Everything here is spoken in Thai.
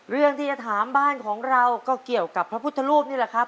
เรื่องที่จะถามบ้านของเราก็เกี่ยวกับพระพุทธรูปนี่แหละครับ